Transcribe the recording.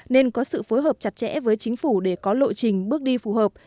nên có sự phối hợp chặt chẽ với chính phủ để có lộ trình bước đi phù hợp